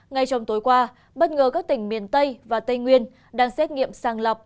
ngay trong tối qua bất ngờ các tỉnh miền tây và tây nguyên đang xét nghiệm sàng lọc